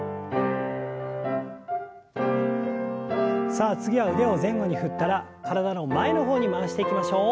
さあ次は腕を前後に振ったら体の前の方に回していきましょう。